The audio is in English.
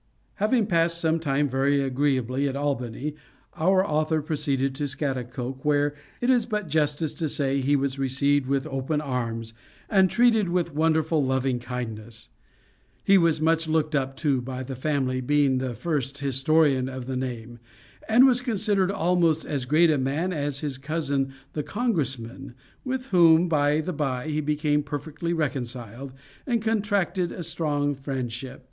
Having passed some time very agreeably at Albany, our author proceeded to Scaghtikoke; where, it is but justice to say, he was received with open arms, and treated with wonderful loving kindness. He was much looked up to by the family, being the first historian of the name; and was considered almost as great a man as his cousin the Congressman with whom, by the by, he became perfectly reconciled, and contracted a strong friendship.